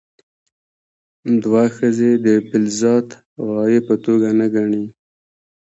دوی ښځې د بالذات غایې په توګه نه ګڼي.